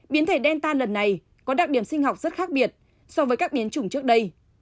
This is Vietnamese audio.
biến thể đen ta lần này có đặc điểm sinh học rất khác biệt so với các biến chủng trước đây